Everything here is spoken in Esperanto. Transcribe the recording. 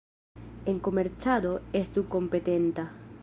En komercado, estu kompetenta.